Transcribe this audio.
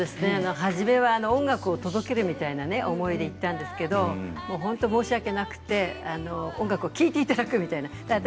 初めは音楽を届けるみたいな思いで行ったんですけど本当に申し訳なくて音楽を聴いていただくみたいな。